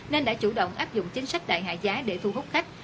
nên đã chủ động áp dụng chính sách đại hạ giá để thu hút khách